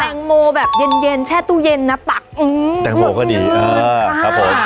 แตงโมแบบเย็นเย็นแช่ตู้เย็นนะปักอืมแตงโมก็ดีเออครับผม